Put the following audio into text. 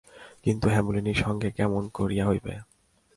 কিন্তু হেমনলিনীর সঙ্গে কেমন করিয়া হইবে?